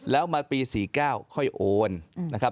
แล้วมาปี๔๙ค่อยโอนนะครับ